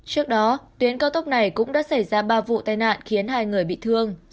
trước đó tuyến cao tốc này cũng đã xảy ra ba vụ tai nạn khiến hai người bị thương